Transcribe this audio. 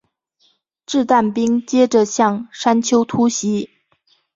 掷弹兵接着向山丘突袭。